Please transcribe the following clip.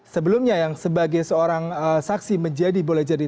sebelumnya yang sebagai seorang saksi menjadi boleh jadi